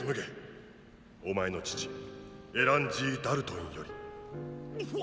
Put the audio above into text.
お前の父エラン・ジー・ダルトンより」。